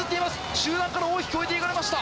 集団から大きく置いていかれました。